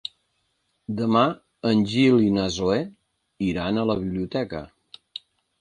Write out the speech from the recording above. Demà en Gil i na Zoè iran a la biblioteca.